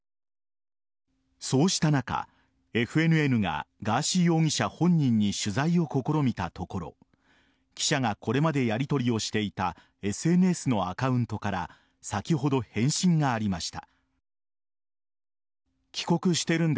そうした中、ＦＮＮがガーシー容疑者本人に取材を試みたところ記者がこれまでやりとりをしていたＳＮＳのアカウントから先ほど、返信がありました。